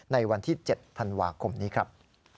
ในวันที่๗ธันวาคมนี้ครับ